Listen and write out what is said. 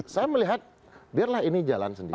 saya melihat biarlah ini jalan sendiri